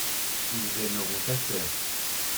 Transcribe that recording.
ils aimeront ta sœur.